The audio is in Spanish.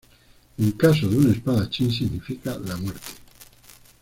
En caso de un espadachín, significa la muerte.